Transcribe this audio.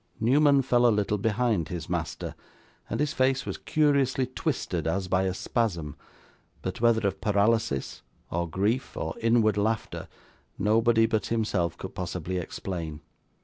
Newman fell a little behind his master, and his face was curiously twisted as by a spasm; but whether of paralysis, or grief, or inward laughter, nobody but himself could possibly explain.